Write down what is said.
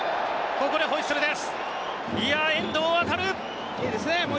ここでホイッスルです。